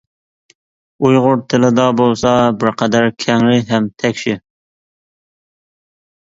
ئۇيغۇر تىلىدا بولسا بىر قەدەر كەڭرى ھەم تەكشى.